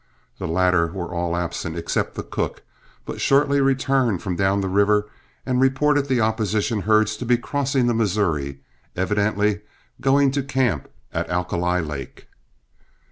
The latter were all absent, except the cook, but shortly returned from down the river and reported the opposition herds to be crossing the Missouri, evidently going to camp at Alkali Lake.